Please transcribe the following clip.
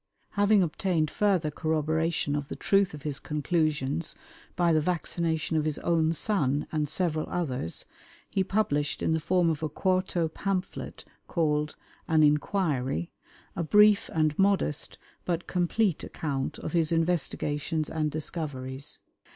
Having obtained further corroboration of the truth of his conclusions by the vaccination of his own son and several others, he published in the form of a quarto pamphlet called "An Inquiry," a brief and modest but complete account of his investigations and discoveries.